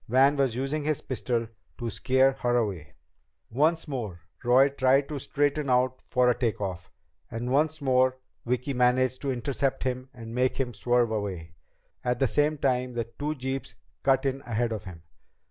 Van was using his pistol to scare her away! Once more, Roy tried to straighten out for a take off. And once more Vicki managed to intercept him and make him swerve away. At the same time, the two jeeps cut in ahead of him.